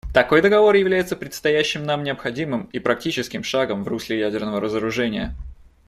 Такой договор является предстоящим нам необходимым и практическим шагом в русле ядерного разоружения.